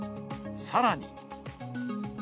さらに。